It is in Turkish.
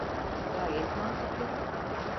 Gayet mantıklı.